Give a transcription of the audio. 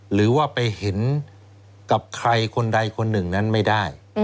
หรือว่าไปเห็นกับใครคนใดคนหนึ่งนั้นไม่ได้